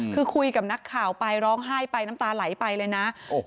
คือคุยกับนักข่าวไปร้องไห้ไปน้ำตาไหลไปเลยนะ